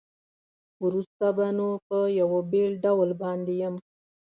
وروسته به نو په یوه بېل ډول باندې یم.